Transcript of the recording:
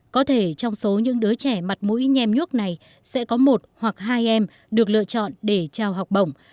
có thể trong số những đứa trẻ mặt mũi nhem nhuốc này sẽ có một hoặc hai em được lựa chọn để trao học bổng